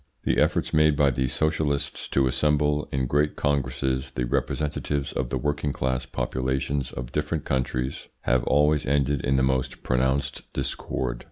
The efforts made by the socialists to assemble in great congresses the representatives of the working class populations of different countries, have always ended in the most pronounced discord.